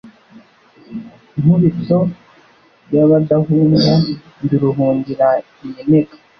Nkubito y'abadahunga, ndi Ruhungira iminega